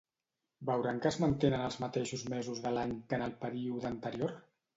Veuran que es mantenen els mateixos mesos de l'any que en el període anterior?